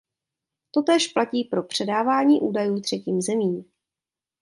Totéž platí pro předávání údajů třetím zemím.